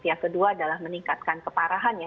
yang kedua adalah meningkatkan keparahannya